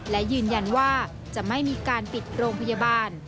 และยืนยันว่าจะไม่มีการปิดโรงพยาบาล